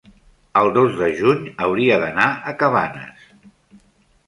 el dos de juny hauria d'anar a Cabanes.